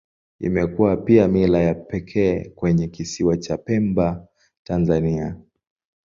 Imekuwa pia mila ya pekee kwenye Kisiwa cha Pemba, Tanzania.